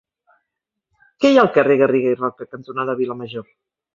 Què hi ha al carrer Garriga i Roca cantonada Vilamajor?